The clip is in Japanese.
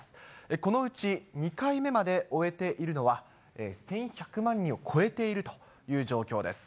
このうち２回目まで終えているのは、１１００万人を超えているという状況です。